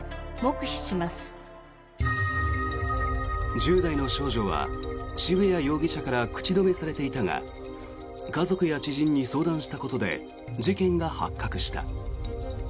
１０代の少女は渋谷容疑者から口止めされていたが家族や知人に相談したことで事件が発覚した。